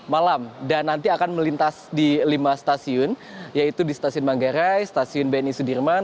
malam dan nanti akan melintas di lima stasiun yaitu di stasiun manggarai stasiun bni sudirman